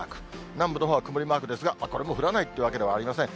南部のほうは曇りマークですが、これも降らないというわけではありません。